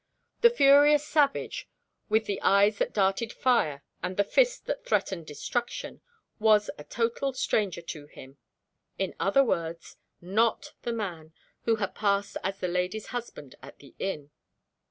The furious savage, with the eyes that darted fire and the fist that threatened destruction, was a total stranger to him. In other words, not the man who had passed as the lady's husband at the inn.